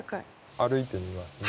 歩いてみますね。